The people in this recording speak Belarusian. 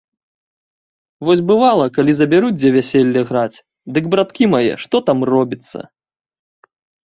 Вось бывала, калі забяруць дзе вяселле граць, дык, браткі мае, што там робіцца!